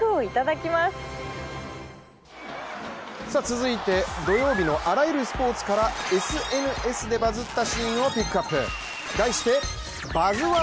続いて土曜日のあらゆるスポーツからＳＮＳでバズったシーンをピックアップ。